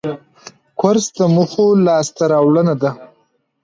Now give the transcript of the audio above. کورس د موخو لاسته راوړنه ده.